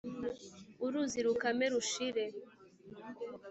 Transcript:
uruzi rukame rushire